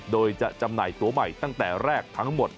โดยจะจำหน่ายตัวใหม่ตั้งแต่แรกทั้งหมด